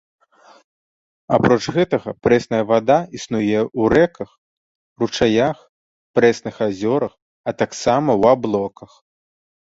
Апроч гэтага, прэсная вада існуе ў рэках, ручаях, прэсных азёрах, а таксама ў аблоках.